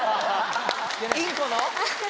インコの？